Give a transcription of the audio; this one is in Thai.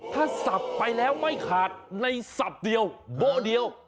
ถ้าสับไปแล้วไม่ขาดในสับเดียวโบ๊เดียว